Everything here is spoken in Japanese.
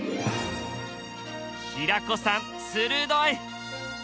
平子さん鋭い！